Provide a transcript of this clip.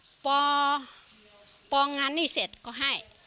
ที่เขาไม่ให้ตังค์เราบอกว่าป่องานนี่เสร็จก็ให้